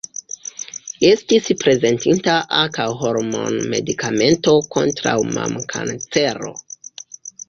Estis prezentita ankaŭ hormon-medikamento kontraŭ mamkancero.